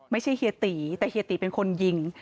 ไม่ใช่เฮียติแต่เฮียติเป็นคนยิง